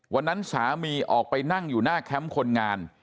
วันนั้นสามีออกไปนั่งอยู่หน้าแคมป์คนงาน